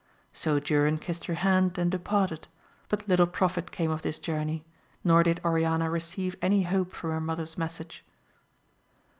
So Durin kissed her hand and departed ; but little profit came of this journey, nor did Oriana re ceive any hope from her mother's message.